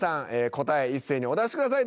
答え一斉にお出しください。